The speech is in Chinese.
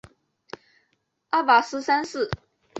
阿拔斯三世。